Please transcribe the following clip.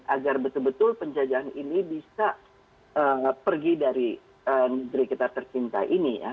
agar betul betul penjajahan ini bisa pergi dari negeri kita tercinta ini ya